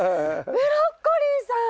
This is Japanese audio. ブロッコリーさん！